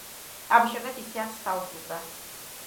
ამის შემდეგ ის თეატრს დაუბრუნდა.